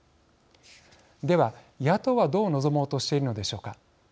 では野党はどう臨もうとしているのでしょうか。